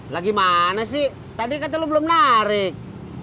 lagi mana sih tadi kata lu belum narik